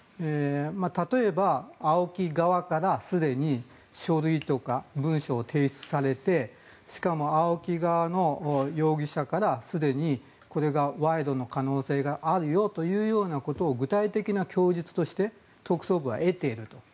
例えば、ＡＯＫＩ側からすでに書類とか文書を提出されてしかもＡＯＫＩ側の容疑者からすでにこれが賄賂の可能性があるよということを具体的な供述として特捜部は得ていると。